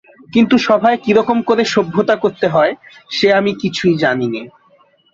কিন্তু সভায় কিরকম করে সভ্যতা করতে হয়, সে আমি কিছুই জানি নে।